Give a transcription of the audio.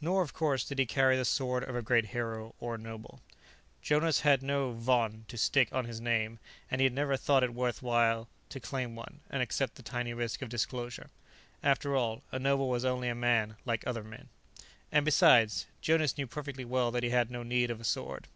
Nor, of course, did he carry the sword of a great hero, or a noble. Jonas had no von to stick on his name, and he had never thought it worth his while to claim one and accept the tiny risk of disclosure. After all, a noble was only a man like other men. And, besides, Jonas knew perfectly well that he had no need of a sword.